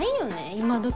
今どき